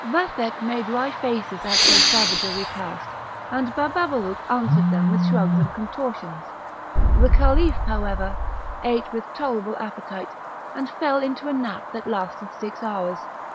Vathek made wry faces at so savage a repast, and Bababalouk answered them with shrugs and contortions; the Caliph, however, ate with tolerable appetite, and fell into a nap that lasted six hours.